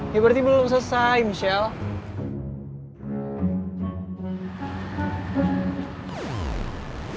ya berarti belum selesai michelle